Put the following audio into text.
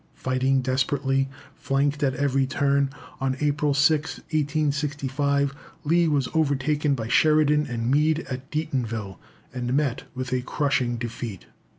Fighting desperately, flanked at every turn, on April 6th, 1865, Lee was overtaken by Sheridan and Meade at Deatonville, and met with a crushing defeat.